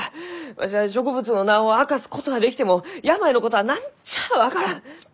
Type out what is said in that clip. わしは植物の名を明かすことはできても病のことは何ちゃあ分からん！